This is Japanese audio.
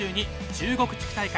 中国地区大会。